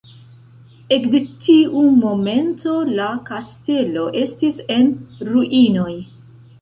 Ekde tiu momento, la kastelo estis en ruinoj.